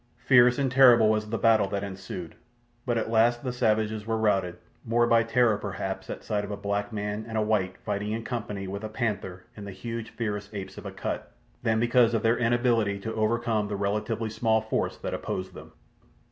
Fierce and terrible was the battle that ensued, but at last the savages were routed, more by terror, perhaps, at sight of a black man and a white fighting in company with a panther and the huge fierce apes of Akut, than because of their inability to overcome the relatively small force that opposed them.